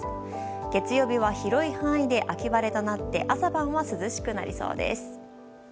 月曜日は広い範囲で秋晴れとなり朝晩は涼しくなりそうです。